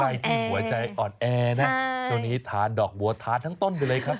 ใครที่หัวใจอ่อนแอนะช่วงนี้ทานดอกบัวทานทั้งต้นไปเลยครับ